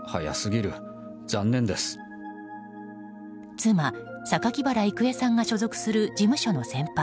妻・榊原郁恵さんが所属する事務所の先輩